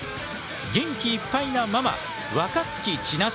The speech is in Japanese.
元気いっぱいなママ若槻千夏！